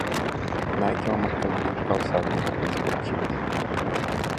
Nike é uma marca líder de calçados e roupas esportivas.